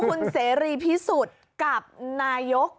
คุณเสรีพิสุทธิ์กับนายก